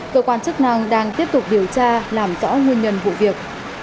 cơ quan chức năng đang tiếp tục điều tra làm rõ nguyên nhân vụ việc